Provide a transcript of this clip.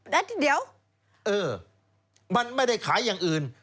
แล้วเดี๋ยวเออมันไม่ได้ขายอย่างอื่น